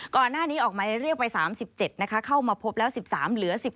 ก่อนหน้านี้ออกไม้เรียกไป๓๗นะคะเข้ามาพบแล้ว๑๓เหลือ๑๔